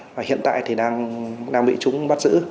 và hiện tại thì đang bị chúng bắt giữ